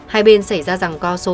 hai bên xảy ra rằng co sâu sát